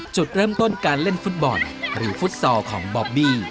จุดเริ่มต้นการเล่นฟุตบอลหรือฟุตซอลของบอบบี้